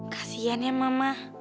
kasian ya mama